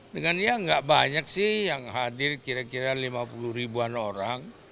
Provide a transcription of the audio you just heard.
dengan ya nggak banyak sih yang hadir kira kira lima puluh ribuan orang